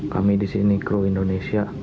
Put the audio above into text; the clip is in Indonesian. kami di sini kru indonesia